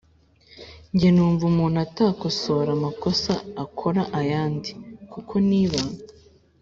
Nge numva umuntu atakosora amakosa akora ayandi. Kuko niba